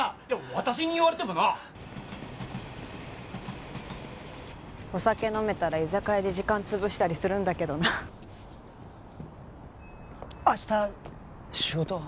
私に言われてもなあお酒飲めたら居酒屋で時間潰したりするんだけどな明日仕事？